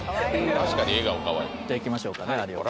確かに笑顔かわいいじゃいきましょうかね有岡くん